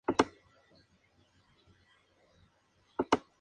Su carrera fue única por su longevidad.